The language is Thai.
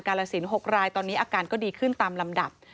ลสิน๖รายตอนนี้อาการก็ดีขึ้นตามลำดับ